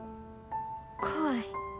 怖い。